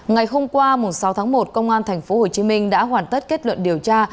ngày hôm qua sáu tháng một công an tp hcm đã hoàn tất kết luận điều tra